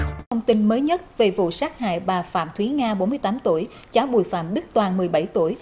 thông tin mới nhất về vụ sát hại bà phạm thúy nga bốn mươi tám tuổi cháu bùi phạm đức toàn một mươi bảy tuổi